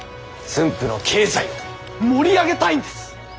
駿府の経済を盛り上げたいんです。